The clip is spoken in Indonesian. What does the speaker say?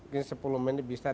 di republik amerika di lensa